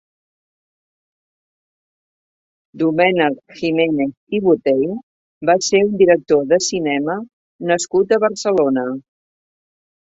Domènec Giménez i Botey va ser un director de cinema nascut a Barcelona.